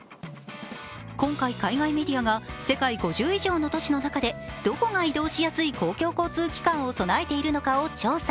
今回、海外メディアが世界５０以上の都市の中でどこが移動しやすい公共交通機関を備えているのかを調査。